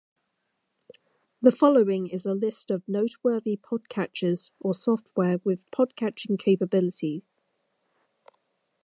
The following is a list of noteworthy podcatchers or software with podcatching capability.